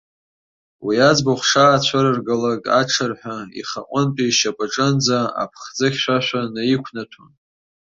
Уи аӡбахә шаацәырыргалак, аҽырҳәа ихаҟынтәишьапаҿынӡа аԥхӡы хьшәашәа наиқәнаҭәон.